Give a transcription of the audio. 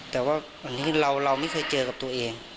แต่ว่าวันนี้เราไม่เคยเจอกับตัวเอง